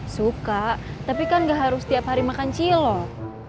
suka tapi kan gak harus setiap hari makan cilok